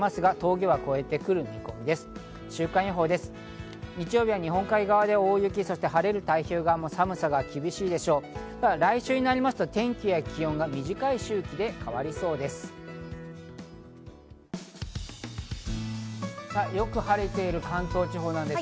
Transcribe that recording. ただ来週になると天気や気温が短い周期で変わりそうです。